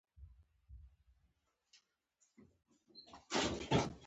امریکایي متل وایي زړور یو ځل مري.